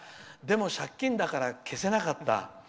でも、借金だから消せなかった。